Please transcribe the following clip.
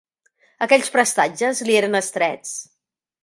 Aquells prestatges li eren estrets